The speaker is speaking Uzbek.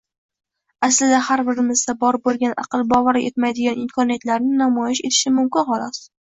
aslida har birimizda bor bo‘lgan aql bovar etmaydigan imkoniyatlarni namoyish etishim mumkin, xolos.»